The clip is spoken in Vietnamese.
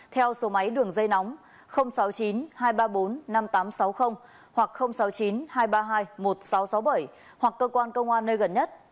theo số máy đường dây nóng sáu mươi chín hai trăm ba mươi bốn năm nghìn tám trăm sáu mươi hoặc sáu mươi chín hai trăm ba mươi hai một nghìn sáu trăm sáu mươi bảy hoặc cơ quan công an nơi gần nhất